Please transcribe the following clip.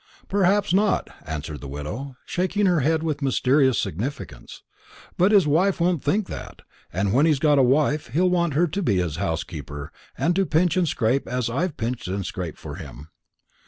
"Perhaps not," answered the widow, shaking her head with mysterious significance; "but his wife won't think that; and when he's got a wife he'll want her to be his housekeeper, and to pinch and scrape as I've pinched and scraped for him.